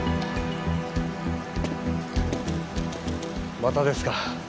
またですか。